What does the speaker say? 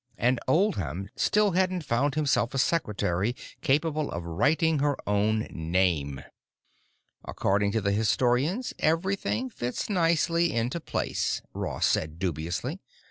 And Oldham still hadn't found him a secretary capable of writing her own name. "According to the historians, everything fits nicely into place," Ross said, dubiously.